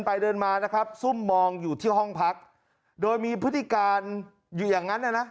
เดินมานะครับซุ่มมองอยู่ที่ห้องพักโดยมีพฤติการอยู่อย่างนั้นนะนะ